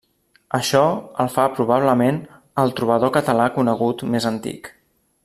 Això el fa probablement el trobador català conegut més antic.